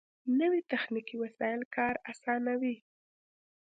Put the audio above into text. نوې تخنیکي وسایل کار آسانوي